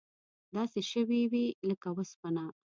داسې شوي وې لکه وسپنه.